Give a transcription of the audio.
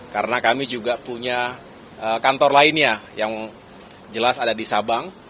karena kami juga punya kantor lainnya yang jelas ada di sabang